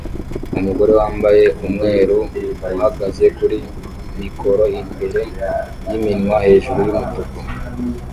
Umugabo wambaye umweru uhagaze kuri mikoro imbere yiminwa hejuru yumutuku